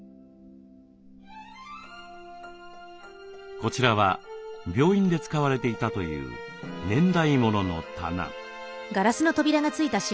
こちらは病院で使われていたという年代ものの棚。